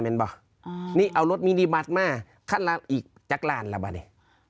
เหม็นเปล่าอ๋อนี่เอารถมินิบัตรมาขั้นละอีกจักรรหรือเปล่าเนี่ย